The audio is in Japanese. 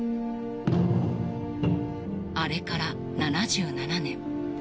あれから７７年。